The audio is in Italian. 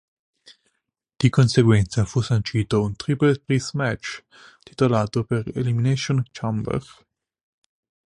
Di conseguenza fu sancito un Triple Threat match titolato per "Elimination Chamber".